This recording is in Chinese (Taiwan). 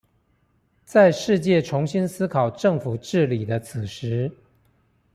在世界重新思考政府治理的此時